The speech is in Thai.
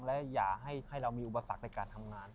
และอย่าให้เรามีอุปสรรคในการทำงาน